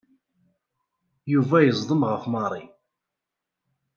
Yuba yeẓdem ɣef Mary.